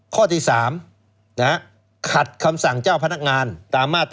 ข้อที่๓ขัดคำสั่งเจ้าพนักงานตามมาตรา